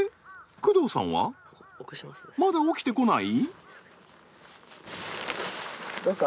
工藤さんはまだ起きてこない？